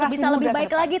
bisa lebih baik lagi